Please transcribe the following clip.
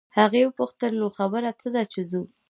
هغې وپوښتل نو خبره څه ده چې ځو.